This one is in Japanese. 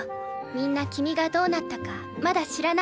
みんな君がどうなったかまだ知らないんだ。